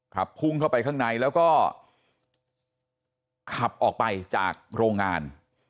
ขับพุ่งเข้าไปข้างในแล้วก็ขับออกไปจากโรงงาน